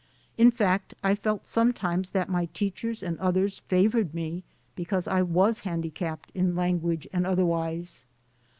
In fact, I felt sometimes that my teachers and others favored me because I was handicapped in language and otherwise.